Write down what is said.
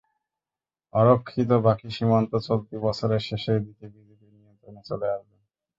অরক্ষিত বাকি সীমান্ত চলতি বছরের শেষের দিকে বিজিবির নিয়ন্ত্রণে চলে আসবে।